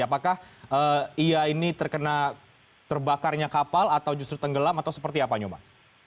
apakah ia ini terkena terbakarnya kapal atau justru tenggelam atau seperti apa nyoman